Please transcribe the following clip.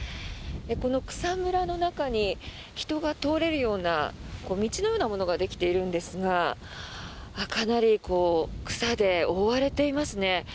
この草むらの中に人が通れるような道のようなものができているんですがかなり草で覆われていますね。